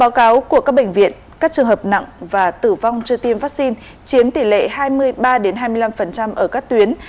báo cáo của các bệnh viện các trường hợp nặng và tử vong chưa tiêm vaccine chiếm tỷ lệ hai mươi ba hai mươi năm ở các tuyến